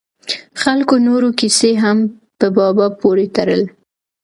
خلکو نورې کیسې هم په بابا پورې تړل.